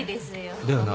だよな？